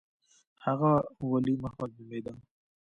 هغه ولي محمد نومېده.